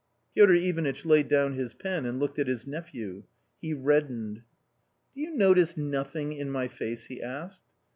" Piotr Ivanitch laid down his pen and looked at his nephew. He reddened. " Do you notice nothing in my face ?" he asked.